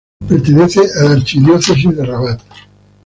Pertenece a la archidiócesis de Rabat.